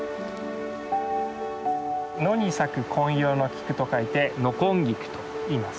野に咲く紺色の菊と書いて野紺菊といいます。